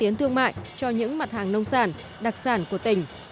tiến thương mại cho những mặt hàng nông sản đặc sản của tỉnh